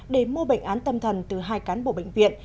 để mua bệnh án tâm thần từ hai cán bộ bệnh viện